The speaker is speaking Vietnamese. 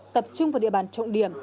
tập trung vào địa bàn trọng điểm